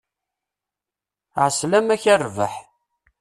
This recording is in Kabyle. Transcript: Ɛeslama-k, a rrbeḥ!